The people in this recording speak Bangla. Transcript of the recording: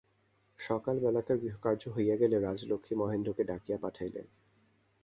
সকালবেলাকার গৃহকার্য হইয়া গেলে রাজলক্ষ্মী মহেন্দ্রকে ডাকিয়া পাঠাইলেন।